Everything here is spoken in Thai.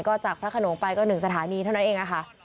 ก็จากพระขนมไปก็หนึ่งสถานีเท่านั้นเองอ่ะค่ะ